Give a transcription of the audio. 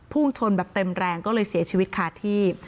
พุ่งชนแบบเต็มแรงก็เลยเสียชีวิตคาที่